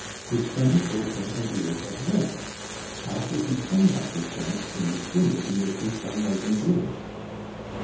His son owed him arrears of rent; how could he come by this rent in the scrimmage in which his son was engaged?